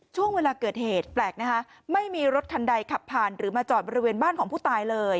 ช่วงเวลาเกิดเหตุแปลกนะคะไม่มีรถคันใดขับผ่านหรือมาจอดบริเวณบ้านของผู้ตายเลย